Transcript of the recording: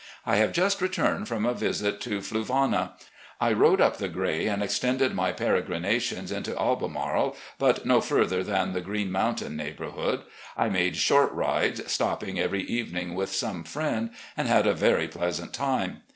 I have just returned from a visit to Fluvanna. I rode up the gray and extended my peregrinations into Albemarle, but no further than the Green Motmtain neighbourhood. I made short rides, stopping every evening with some friend, and had a very pleasant time.